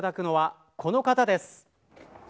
本日解説をいただくのはこの方です。